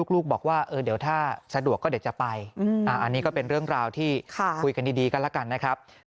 ลูกบอกว่าเดี๋ยวถ้าสะดวกก็เดี๋ยวจะไปอันนี้ก็เป็นเรื่องราวที่คุยกันดีกันแล้วกันนะครับ